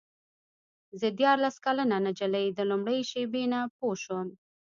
زه دیارلس کلنه نجلۍ د لومړۍ شېبې نه پوه شوم.